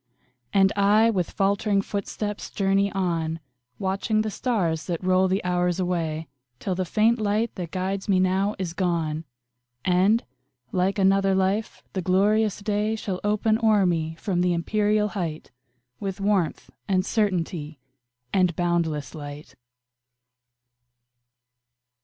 And I, with faltering footsteps, journey on, Watching the stars that roll the hours away, Till the faint light that guides me now is gone, And, like another life, the glorious day Shall open o'er me from the empyreal height, With warmth, and certainty, and boundless light.